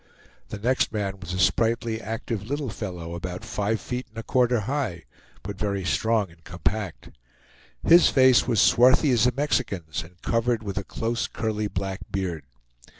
The next man was a sprightly, active little fellow, about five feet and a quarter high, but very strong and compact. His face was swarthy as a Mexican's and covered with a close, curly black beard.